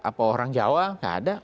apa orang jawa nggak ada